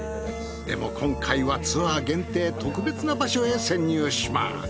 でも今回はツアー限定特別な場所へ潜入します。